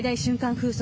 風速